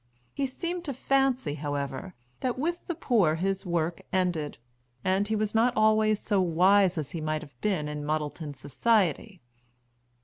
He seemed to fancy, however, that with the poor his work ended, and he was not always so wise as he might have been in Muddleton society.